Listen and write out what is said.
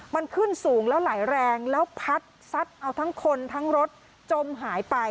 มันขึ้นสูงแล้วไหลแรงแล้วพัดซัดเอาทั้งคนทั้งรถจมหายไป